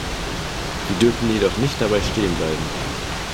Wir dürfen jedoch nicht dabei stehenbleiben.